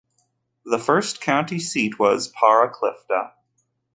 The first county seat was Paraclifta.